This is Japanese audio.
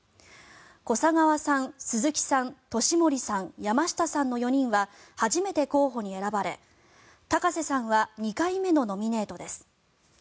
小砂川さん、鈴木さん年森さん、山下さんの４人は初めて候補に選ばれ高瀬さんは２回目のノミネートです。